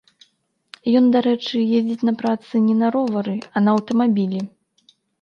Ён, дарэчы, ездзіць на працу не на ровары, а на аўтамабілі.